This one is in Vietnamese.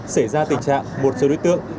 xảy ra tình trạng một số đối tượng